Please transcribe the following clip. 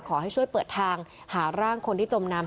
ขอให้ช่วยเปิดทางหาร่างคนที่จมน้ำ